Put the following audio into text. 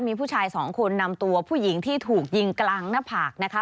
มีผู้ชายสองคนนำตัวผู้หญิงที่ถูกยิงกลางหน้าผากนะคะ